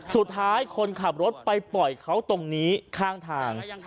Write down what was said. สุดท้ายคนขับรถไปปล่อยเขาตรงนี้ข้างทาง